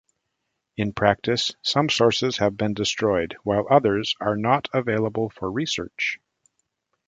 In practice some sources have been destroyed, while others are not available for research.